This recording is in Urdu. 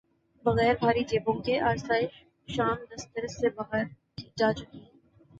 بغیر بھاری جیبوں کے آسائش شام دسترس سے باہر جا چکی ہیں۔